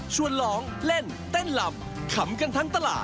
ร้องเล่นเต้นลำขำกันทั้งตลาด